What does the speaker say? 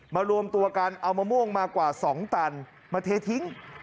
รวมตัวกันเอามะม่วงมากว่า๒ตันมาเททิ้ง